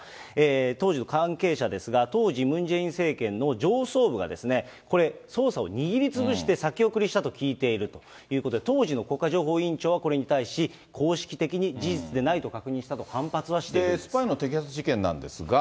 当時の関係者ですが、当時、ムン・ジェイン政権の上層部が、これ、捜査を握りつぶして先送りしたと聞いているということで、当時の国家情報院長は、これに対し、公式的に事実でないと確認しスパイの摘発事件なんですが。